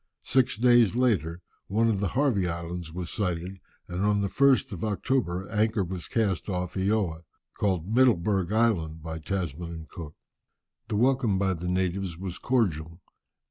Six days later, one of the Harvey Islands was sighted, and on the 1st of October anchor was cast off Eoa, called Middelbourg Island by Tasman and Cook. The welcome by the natives was cordial.